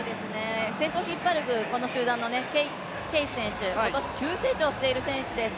先頭引っ張る分、この先頭のケイス選手、今年急成長している選手です。